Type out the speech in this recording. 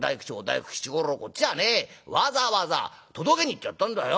こっちはねわざわざ届けに行ってやったんだよ！」。